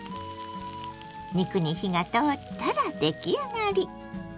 肉に火が通ったら出来上がり。